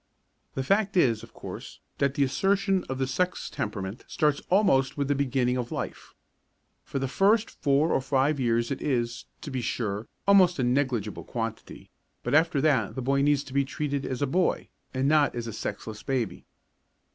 The fact is, of course, that the assertion of the sex temperament starts almost with the beginning of life. For the first four or five years it is, to be sure, almost a negligible quantity, but after that the boy needs to be treated as a boy, and not as a sexless baby.